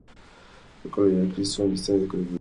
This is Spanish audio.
La cola y la crin son bastante características.